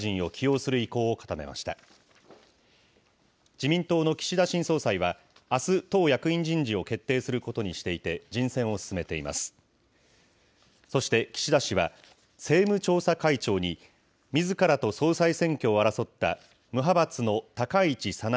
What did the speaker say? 自民党役員人事で、岸田新総裁は、政務調査会長にみずからと総裁選挙を争った、無派閥の高市早苗